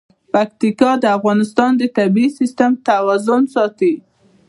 پکتیکا د افغانستان د طبعي سیسټم توازن ساتي.